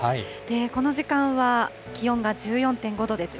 この時間は気温が１４．５度です。